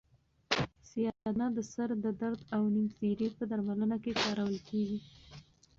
سیاه دانه د سر د درد او نیم سری په درملنه کې کارول کیږي.